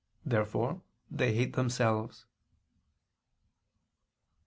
Therefore they hate themselves.